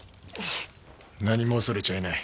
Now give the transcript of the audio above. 何も恐れちゃいない。